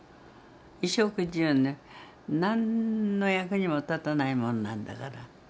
衣食住の何の役にも立たないもんなんだから。